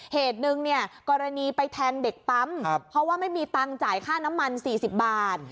เหตุหนึ่งเนี่ยกรณีไปแทงเด็กปั๊มเพราะว่าไม่มีตังค์จ่ายค่าน้ำมัน๔๐บาท